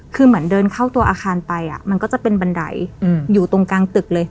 คือเหมือนเดินเข้าตัวอาคารไปมันก็จะเป็นบันไดอยู่ตรงกลางตึกเลย